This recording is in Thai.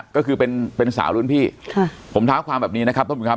ก็คือเป็นเป็นสาวรุ่นพี่ค่ะผมเท้าความแบบนี้นะครับท่านผู้ชมครับ